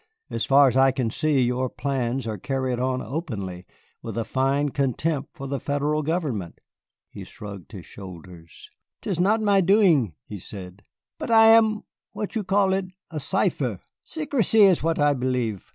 As far as I can see, your plans are carried on openly, with a fine contempt for the Federal government." He shrugged his shoulders. "'Tis not my doin'," he said, "but I am what you call it? a cipher. Sicrecy is what I believe.